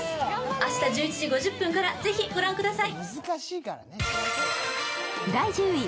明日１１時５０分からぜひ御覧ください。